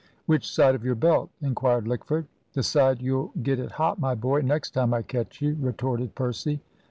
"Which side of your belt?" inquired Lickford. "The side you'll get it hot, my boy, next time I catch you," retorted Percy.